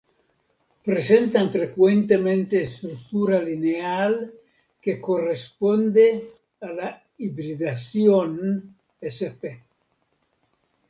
Presentan frecuentemente estructura lineal que corresponde a la hibridación sp.